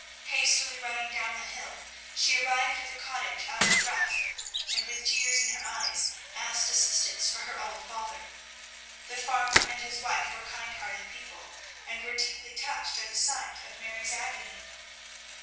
Hastily running down the hill, she arrived at the cottage out of breath, and with tears in her eyes asked assistance for her old father. The farmer and his wife were kind hearted people, and were deeply touched at the sight of Mary's agony.